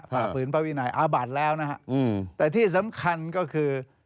ฝ่าฝืนพระวินัยอาบัติแล้วนะฮะแต่ที่สำคัญก็คือ